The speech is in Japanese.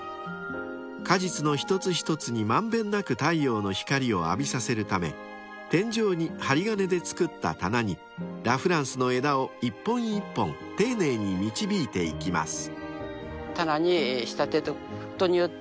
［果実の一つ一つに満遍なく太陽の光を浴びさせるため天井に針金で作った棚にラ・フランスの枝を一本一本丁寧に導いていきます］